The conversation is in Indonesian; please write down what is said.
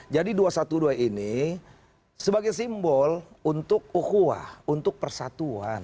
jadi dua ratus dua belas ini sebagai simbol untuk uhuah untuk persatuan